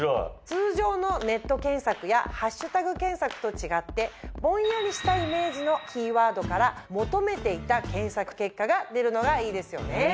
通常のネット検索やハッシュタグ検索と違ってぼんやりしたイメージのキーワードから求めていた検索結果が出るのがいいですよね。